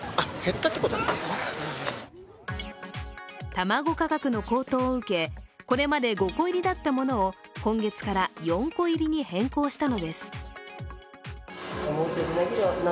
卵価格の高騰を受け、これまで５個入りだったものを今月から４個入りに変更したのです。